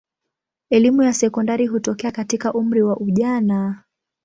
Elimu ya sekondari hutokea katika umri wa ujana.